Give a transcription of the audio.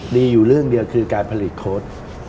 อยู่เรื่องเดียวคือการผลิตโค้ด